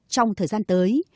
trong thời gian tới